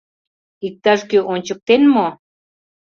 Иктаж-кӧ ончыктен мо?